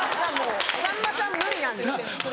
さんまさん無理なんです。